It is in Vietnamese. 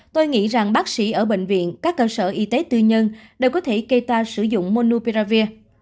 tôi nghĩ rằng bác sĩ ở bệnh viện các cơ sở y tế tư nhân đều có thể kê ta sử dụng monupiravir